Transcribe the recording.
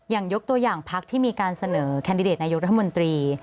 ยกตัวอย่างพักที่มีการเสนอแคนดิเดตนายกรัฐมนตรี